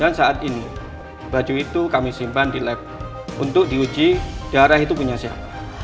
dan saat ini baju itu kami simpan di lab untuk diuji darah itu punya siapa